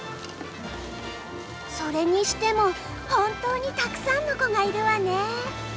それにしても本当にたくさんの子がいるわね。